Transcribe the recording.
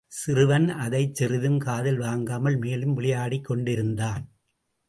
சிறுவன் அதைச் சிறிதும் காதில் வாங்காமல் மேலும் விளையாடிக் கொண்டிருந்தான்.